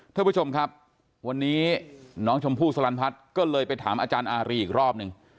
ท่านผู้ชมครับวันนี้น้องชมพู่สลันพัฒน์ก็เลยไปถามอาจารย์อารีอีกรอบหนึ่ง